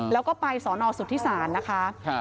แล้วก็ไปสอนอสุทธิศาลนะคะ